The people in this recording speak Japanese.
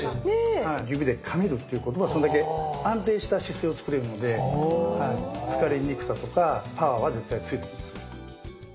指でかめるっていうことはそれだけ安定した姿勢を作れるので疲れにくさとかパワーは絶対ついてきますね。